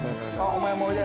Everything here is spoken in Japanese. お前もおいで。